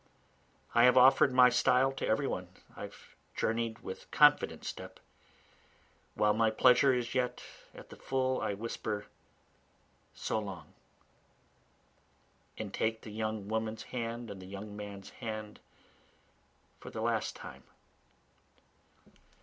I have offer'd my style to every one, I have journey'd with confident step; While my pleasure is yet at the full I whisper So long! And take the young woman's hand and the young man's hand for the last time.